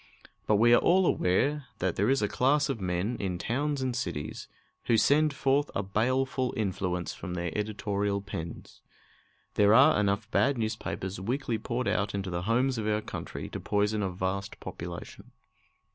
But we are all aware that there is a class of men in towns and cities who send forth a baleful influence from their editorial pens. There are enough bad newspapers weekly poured out into the homes of our country to poison a vast population.